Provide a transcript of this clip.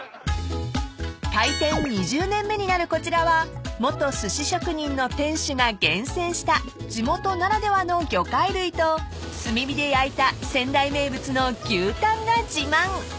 ［開店２０年目になるこちらは元すし職人の店主が厳選した地元ならではの魚介類と炭火で焼いた仙台名物の牛タンが自慢］